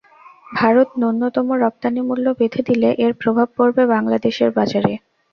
ভারত ন্যূনতম রপ্তানি মূল্য বেঁধে দিলে এর প্রভাব পড়বে বাংলাদেশের বাজারে।